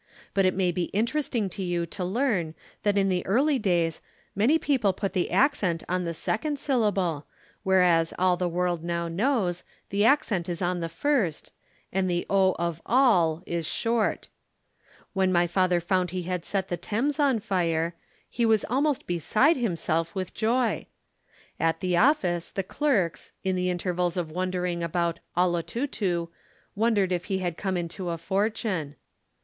But it may be interesting to you to learn that in the early days many people put the accent on the second syllable, whereas all the world now knows, the accent is on the first, and the "o" of "ol" is short. When my father found he had set the Thames on fire, he was almost beside himself with joy. At the office the clerks, in the intervals of wondering about "Olotutu" wondered if he had come into a fortune.